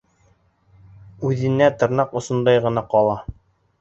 Үҙенә тырнаҡ осондайы ғына ҡала.